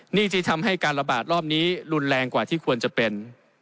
นี่ที่ทำให้การระบาดรอบนี้รุนแรงกว่าที่ควรจะเป็น